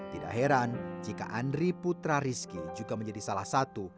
tidak heran jika andri putra rizky juga menjadi salah satu